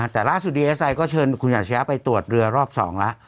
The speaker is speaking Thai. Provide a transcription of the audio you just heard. แต่ล่าสุดีไอ้ไซค์ก็เชิญคุณหญัตเช้าไปตรวจเรือรอบ๒ละ